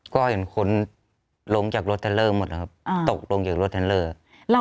ก็เห็นคนลงจากรถเทลเลอร์หมดแล้วครับตกลงจากรถเทลเลอร์